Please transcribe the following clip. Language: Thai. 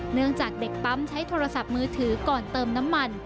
เนื่องจากเด็กปั๊มใช้โทรศัพท์มือถือก่อนเติมน้ำมัน